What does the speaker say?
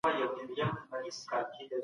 لکه لمر چې په دوو ګوتو نه پټېږي.